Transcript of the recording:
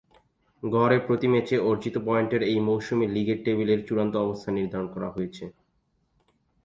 গড়ে প্রতি ম্যাচে অর্জিত পয়েন্টের এই মৌসুমের লীগের টেবিলের চূড়ান্ত অবস্থান নির্ধারণ করা হয়েছে।